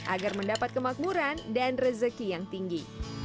agar mendapat kemakmuran dan rezeki yang tinggi